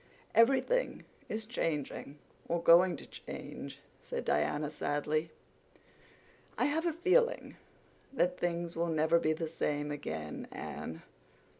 "Everything is changing—or going to change," said Diana sadly. "I have a feeling that things will never be the same again, Anne."